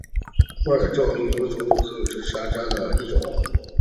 默尔敦星孔珊瑚为轴孔珊瑚科星孔珊瑚下的一个种。